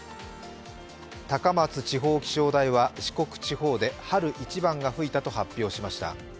高松地方気象台は四国地方で春一番が吹いたと発表しました。